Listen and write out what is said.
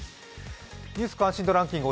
「ニュース関心度ランキング」